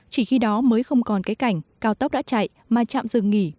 chỉ khi đó mới không còn cái cảnh cao tốc đã chạy mà trạm dừng nghỉ mới ở tình trạng khởi động như hiện nay